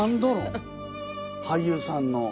俳優さんの！